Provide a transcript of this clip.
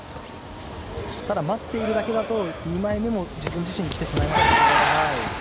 ただ、待っているだけだと２枚目が自分自身に来てしまいますので。